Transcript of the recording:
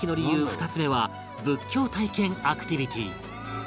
２つ目は仏教体験アクティビティ